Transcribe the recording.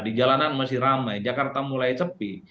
di jalanan masih ramai jakarta mulai sepi